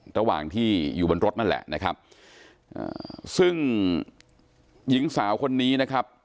ระหว่างที่อยู่บนรถนั่นแหละนะครับซึ่งหญิงสาวคนนี้นะครับ